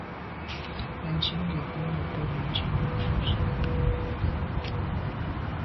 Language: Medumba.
Mɛ̀ntchìn gə̀ rə̌ nə̀ bə́ mɛ̀ntchìn á bû jû zə̄ à rə̂.